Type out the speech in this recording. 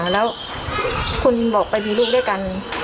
แล้วคุณบอกไปมีลูกด้วยกัน